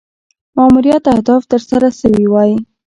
ماموریت اهداف تر سره سوي وای.